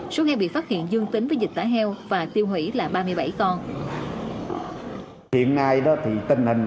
số heo bị phát hiện dương tính với dịch tả heo và tiêu hủy là ba mươi bảy con